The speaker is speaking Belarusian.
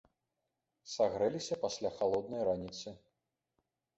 Сагрэліся пасля халоднай раніцы.